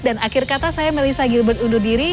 dan akhir kata saya melisa gilbert undur diri